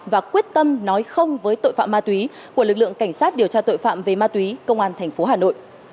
và quyết tâm nói không với tội phạm ma túy của lực lượng cảnh sát điều tra tội phạm về ma túy công an tp hà nội